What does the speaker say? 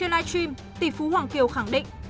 trên live stream tỷ phú hoàng kiều khẳng định